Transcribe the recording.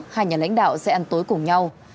hai nhà lãnh đạo sẽ ăn tối cùng nhau